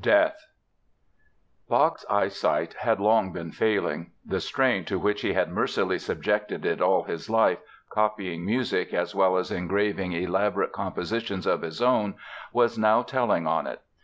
DEATH Bach's eyesight had long been failing. The strain to which he had mercilessly subjected it all his life, copying music as well as engraving elaborate compositions of his own, was now telling on it.